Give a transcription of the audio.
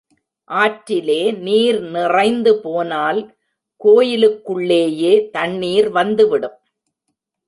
ஆற்றிலே நீர் நிறைந்து போனால் கோயிலுக்குள்ளேயே தண்ணீர் வந்து விடும்.